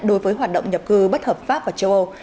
đối với hoạt động nhập cư bất hợp pháp vào châu âu